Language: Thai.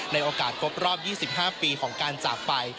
ในโอกาสครบรอบ๒๕ปีของการจากไป